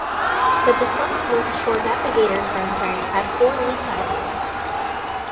The defunct North Shore Navigators franchise had four league titles.